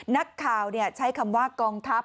นักข่าวใช้คำว่ากองทัพ